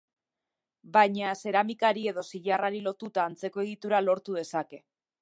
Baina, zeramikari edo zilarrari lotuta antzeko egitura lortu dezake.